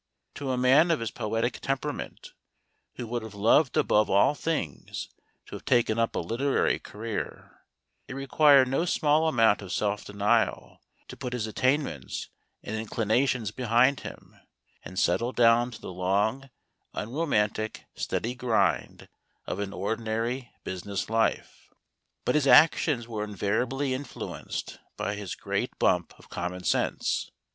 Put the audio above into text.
To a man of his poetic temperament, who would have loved above all things to have taken up a literary career, it re¬ quired no small amount of self denial to put his attainments and inclinations behind him and settle down to the long, unromantic, steady grind of an ordinary business life. But his actions were invari¬ ably influenced by his great bump of common sense.